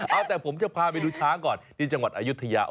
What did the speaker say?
เอาแต่ผมจะพาไปดูช้างก่อนที่จังหวัดอายุทยา